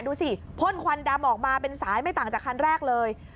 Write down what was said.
ดูสิพ่นควันดำออกมาเป็นสายไม่ต่างจากคันแรกเลย